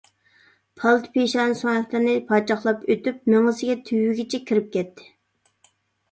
پالتا پېشانە سۆڭەكلىرىنى پاچاقلاپ ئۆتۈپ مېڭىسىگە تۈۋىگىچە كىرىپ كەتتى.